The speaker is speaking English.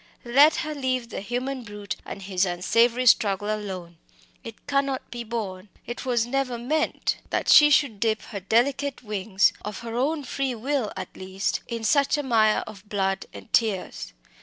let her leave the human brute and his unsavoury struggle alone! It cannot be borne it was never meant that she should dip her delicate wings, of her own free will at least, in such a mire of blood and tears.